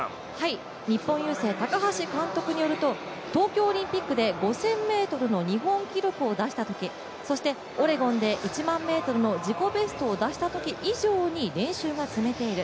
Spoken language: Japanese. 日本郵政・高橋監督によると東京オリンピックで５０００ｍの日本記録を出したときそしてオレゴンで１００００ｍの自己ベストを出したとき以上に練習が積めている。